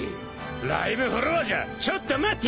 ライブフロアじゃ「ちょっと待て！」